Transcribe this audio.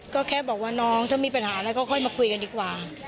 ก็แค่บอกว่าน้องถ้ามีปัญหาอะไรก็ค่อยมาคุยกันดีกว่า